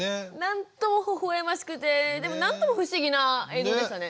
なんともほほ笑ましくてでもなんとも不思議な映像でしたね。